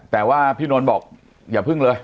แต่ว่าพี่นนท์บอกอย่าพึ่งเลย